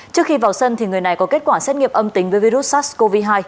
trước khi vào sân thì người này có kết quả xét nghiệm âm tính với virus sars cov hai